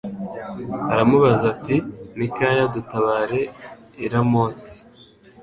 aramubaza ati Mikaya dutabare i Ramoti